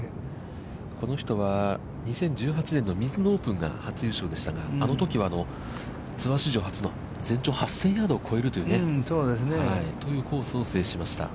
この人は２０１８年のミズノオープンが初めてでしたが、あのときはツアー史上初の全長８０００ヤードを越えるというコースを制しました。